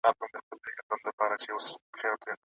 مسواک د غوږونو د دروندوالي په کمولو کې هم اغېز لري.